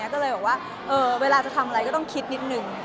ก็เลยบอกว่าเวลาจะทำอะไรก็ต้องคิดนิดนึง